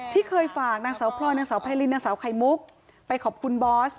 ที่เคยฝากนางสาวพลอยนางสาวไพรินนางสาวไข่มุกไปขอบคุณบอส